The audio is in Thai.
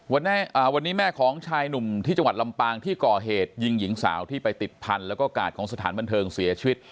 วันนี้วันนี้แม่ของชายหนุ่มที่จังหวัดลำปางที่ก่อเหตุยิงหญิงสาวที่ไปติดพันธุ์แล้วก็กาดของสถานบันเทิงเสียชีวิต